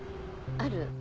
ある。